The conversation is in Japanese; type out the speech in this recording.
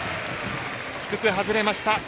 低く外れました。